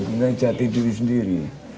menjati diri sendiri